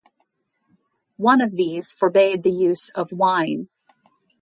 One of these forbade the use of wine.